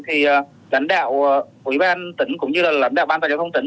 thì lãnh đạo quý ban tỉnh cũng như là lãnh đạo ban an toàn giao thông tỉnh